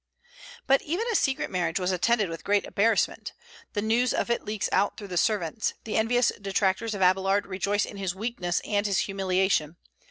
But even a secret marriage was attended with great embarrassment. The news of it leaks out through the servants. The envious detractors of Abélard rejoice in his weakness and his humiliation.